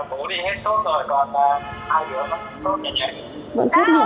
bố đi hết sốt rồi còn hai đứa vẫn sốt nhẹ nhàng